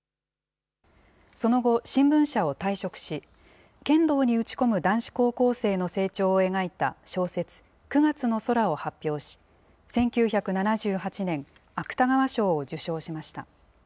その後、新聞社を退職し、剣道に打ち込む男子高校生の成長を描いた小説、九月の空を発表し、１９７８年、芥川賞を受賞しました。